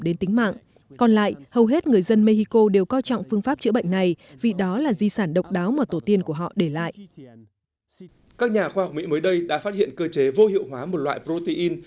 các nhà khoa học mỹ mới đây đã phát hiện cơ chế vô hiệu hóa một loại protein